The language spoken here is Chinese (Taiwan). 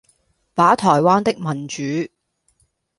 把臺灣的民主